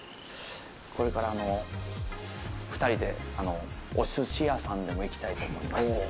これからあの２人でお寿司屋さんでも行きたいと思います。